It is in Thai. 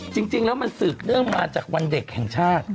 จริงแล้วมันสืบเนื่องมาจากวันเด็กแห่งชาติ